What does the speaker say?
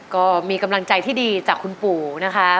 ก็มีกำลังใจที่ดีจากคุณปู่นะคะ